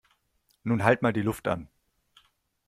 Nun halt mal die Luft an!